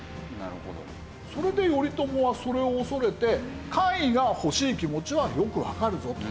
それで頼朝はそれを恐れて官位が欲しい気持ちはよくわかるぞと。